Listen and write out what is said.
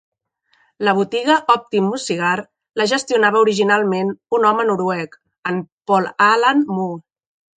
La botiga Optimo Cigar la gestionava originalment un home noruec, en Paul Alan Moe.